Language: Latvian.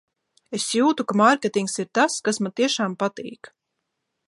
Es jūtu, ka mārketings ir tas, kas man tiešām patīk.